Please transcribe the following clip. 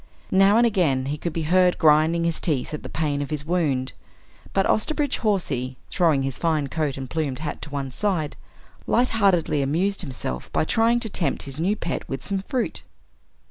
Now and again he could be heard grinding his teeth at the pain of his wound, but Osterbridge Hawsey, throwing his fine coat and plumed hat to one side, lightheartedly amused himself by trying to tempt his new pet with some fruit.